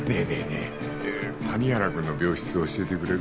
え谷原君の病室教えてくれる？